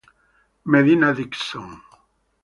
Medina Dixon